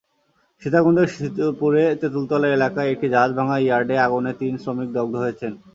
সীতাকুণ্ডের শীতলপুরে তেঁতুলতলা এলাকায় একটি জাহাজভাঙা ইয়ার্ডে আগুনে তিন শ্রমিক দগ্ধ হয়েছেন।